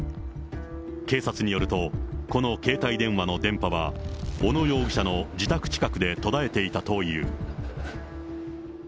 警察によると、この携帯電話の電波は、小野容疑者の自宅近くで途絶えていたという。